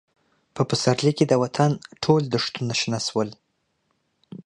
په پسرلي کې د وطن ټول دښتونه شنه شول.